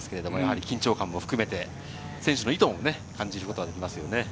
緊張感も含めて、選手の意図も感じることができます。